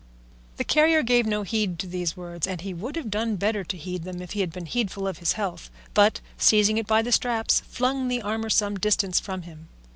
The carrier gave no heed to these words (and he would have done better to heed them if he had been heedful of his health), but seizing it by the straps flung the armour some distance from him.